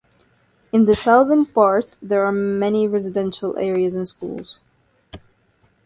In the southern part there are many residential areas and schools.